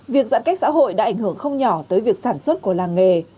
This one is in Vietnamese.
việc giãn cách xã hội đã ảnh hưởng không nhỏ tới việc sản xuất của làng nghề